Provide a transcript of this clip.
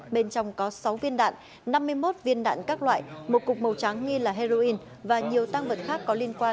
bên trong có sáu viên đạn năm mươi một viên đạn các loại một cục màu trắng nghi là heroin và nhiều tăng vật khác có liên quan